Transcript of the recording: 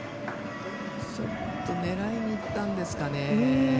ちょっと狙いにいったんですかね。